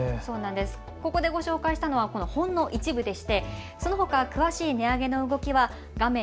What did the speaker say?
ここでご紹介したのはほんの一部でして、そのほか詳しい値上げの動きは画面